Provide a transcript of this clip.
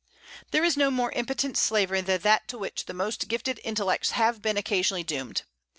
There is no more impotent slavery than that to which the most gifted intellects have been occasionally doomed.